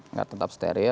agar tetap steril